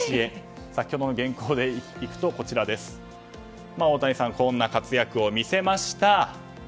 先ほどの原稿でいくと、大谷さんこんな活躍を見せました。